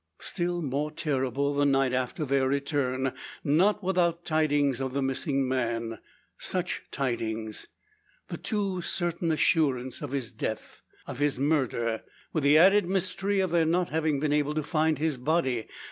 Still more terrible the night after their return not without tidings of the missing man. Such tidings! The too certain assurance of his death of his murder with the added mystery of their not having been able to find his body.